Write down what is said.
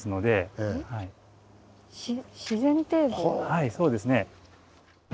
はいそうですね。